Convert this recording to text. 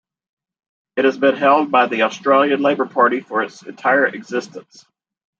It has been held by the Australian Labor Party for its entire existence.